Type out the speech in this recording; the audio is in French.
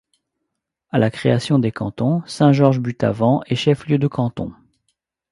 À la création des cantons, Saint-Georges-Buttavent est chef-lieu de canton.